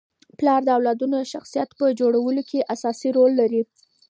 پلار د اولادونو د شخصیت په جوړولو کي اساسي رول لري.